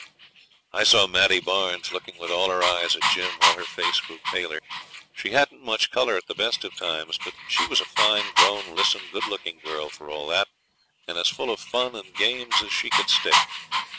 I saw Maddie Barnes looking with all her eyes at Jim, while her face grew paler. She hadn't much colour at the best of times, but she was a fine grown, lissom, good looking girl for all that, and as full of fun and games as she could stick.